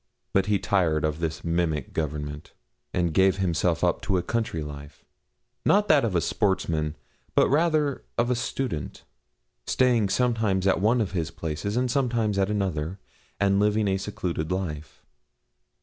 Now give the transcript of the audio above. But he tired of this mimic government, and gave himself up to a country life, not that of a sportsman, but rather of a student, staying sometimes at one of his places and sometimes at another, and living a secluded life.